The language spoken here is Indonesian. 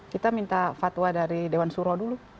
kita minta fatwa dari dewan suro dulu